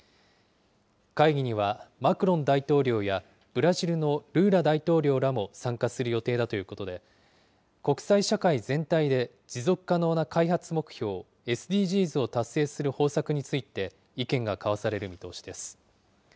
会議には、マクロン大統領やブラジルのルーラ大統領らも参加する予定だということで、国際社会全体で持続可能な開発目標・ＳＤＧｓを達成する方策について意見が交わされる見通しです。